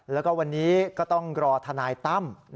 แล้วก็วันนี้ก็ต้องรอทนายตั้ม